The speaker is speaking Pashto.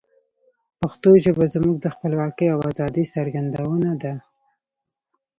پښتو ژبه زموږ د خپلواکۍ او آزادی څرګندونه ده.